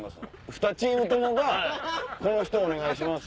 ふたチームともがこの人お願いします！